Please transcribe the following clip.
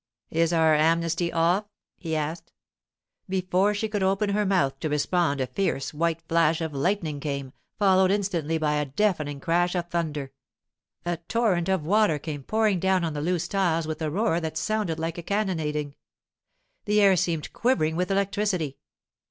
'Is our amnesty off?' he asked. Before she could open her mouth to respond a fierce white flash of lightning came, followed instantly by a deafening crash of thunder. A torrent of water came pouring down on the loose tiles with a roar that sounded like a cannonading. The air seemed quivering with electricity.